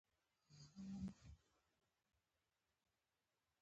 خبره مې د هېواد په سیاسي سرنوشت کې د بغاوت کوله.